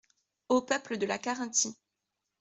Au peuple de la Carinthie.